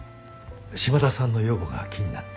島田さんの予後が気になって。